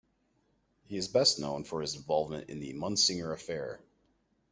He is best known for his involvement in the Munsinger Affair.